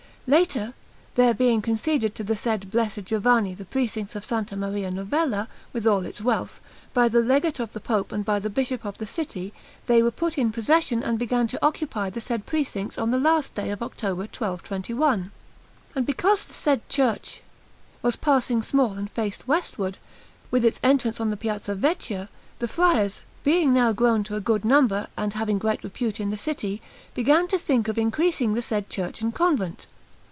Later, there being conceded to the said Blessed Giovanni the precincts of S. Maria Novella, with all its wealth, by the Legate of the Pope and by the Bishop of the city, they were put in possession and began to occupy the said precincts on the last day of October, 1221. And because the said church was passing small and faced westward, with its entrance on the Piazza Vecchia, the friars, being now grown to a good number and having great repute in the city, began to think of increasing the said church and convent.